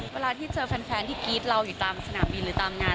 เวลาที่เจอแฟนที่กรี๊ดเราอยู่ตามสนามบินหรือตามงาน